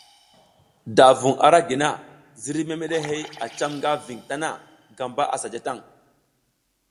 Da vung ara gi na, ziriy memeɗehey a cam nga ving tana gamba sa ja tang.